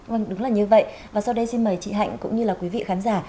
vâng đúng là như vậy và sau đây xin mời chị hạnh cũng như là quý vị khán giả